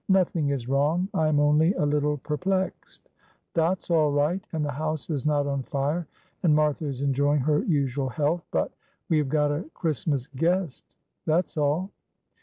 "Nothing is wrong, I am only a little perplexed. Dot's all right, and the house is not on fire, and Martha is enjoying her usual health, but we have got a Christmas guest, that's all."